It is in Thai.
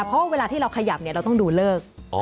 เพราะว่าเวลาที่เราขยับเราต้องดูเลิก